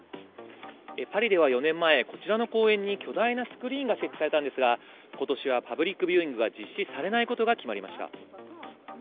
パリでは４年前、こちらの公園に巨大なスクリーンが設置されたんですが、ことしはパブリックビューイングが実施されないことが決まりました。